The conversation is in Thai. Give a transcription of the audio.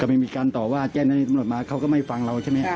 ก็ไม่มีการต่อว่าแจ้งนั้นตำรวจมาเขาก็ไม่ฟังเราใช่ไหม